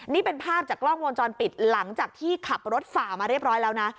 นี่เป็นภาพจากกล้องวงจรปิดหลังจากที่ขับรถฝ่ามาเรียบร้อยแล้วนะ